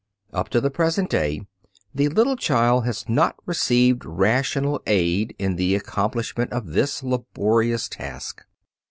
Up to the present day the little child has not received rational aid in the accomplishment of this laborious task.